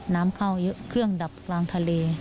น้ำเข้าเยอะเครื่องดับกลางทะเล